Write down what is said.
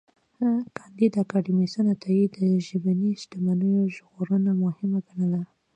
کانديد اکاډميسن عطايی د ژبني شتمنیو ژغورنه مهمه ګڼله.